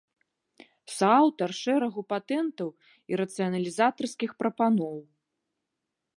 Сааўтар шэрагу патэнтаў і рацыяналізатарскіх прапаноў.